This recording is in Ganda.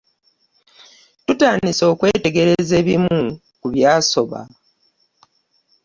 Tutandise okwetegereza ebimu ku byasoba.